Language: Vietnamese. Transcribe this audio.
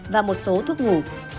và một số thuốc ngủ